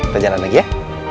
terjalan lagi ya